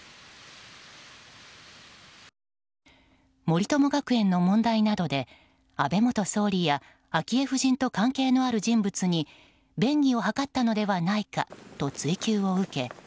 森友学園の問題などで安倍元総理や昭恵夫人と関係のある人物に便宜を図ったのではないかと追及を受け